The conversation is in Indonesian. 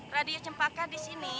radio cempaka di sini